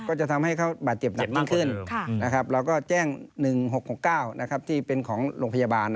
ก็จะทำให้เขาบาดเจ็บหนักยิ่งขึ้นเราก็แจ้ง๑๖๖๙ที่เป็นของโรงพยาบาล